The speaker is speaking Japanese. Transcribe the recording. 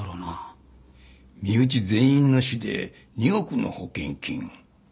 身内全員の死で２億の保険金。